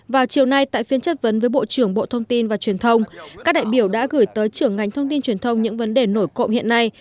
vào chiều nay tại phiên chất vấn với bộ trưởng bộ thông tin và truyền thông các đại biểu đã gửi tới trưởng ngành thông tin truyền thông những vấn đề nổi cộng hiện nay